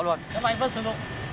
nhưng mà anh vẫn sử dụng